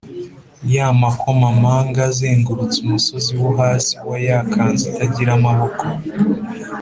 Ya makomamanga azengurutse umusozo wo hasi wa ya kanzu itagira amaboko